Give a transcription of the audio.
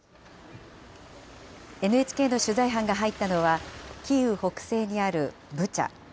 ＮＨＫの取材班が入ったのは、キーウ北西にあるブチャ。